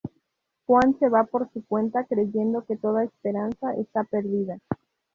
Juan se va por su cuenta, creyendo que toda esperanza está perdida.